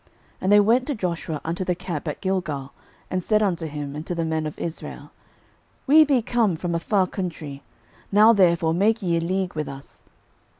06:009:006 And they went to Joshua unto the camp at Gilgal, and said unto him, and to the men of Israel, We be come from a far country: now therefore make ye a league with us.